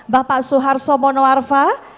bapak suharto monoarfa